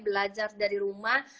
belajar dari rumah